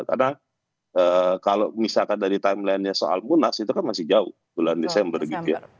karena kalau misalkan dari timeline nya soal munas itu kan masih jauh bulan desember gitu ya